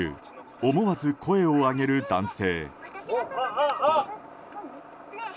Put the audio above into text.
思わず声を上げる男性。